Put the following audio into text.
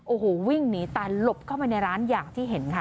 โอ้โหวิ่งหนีตายหลบเข้าไปในร้านอย่างที่เห็นค่ะ